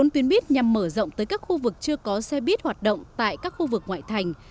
bốn tuyến buýt nhằm mở rộng tới các khu vực chưa có xe buýt hoạt động tại các khu vực ngoại thành